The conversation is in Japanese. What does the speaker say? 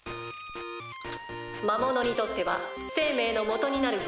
「魔物にとっては生命のもとになる物質です」。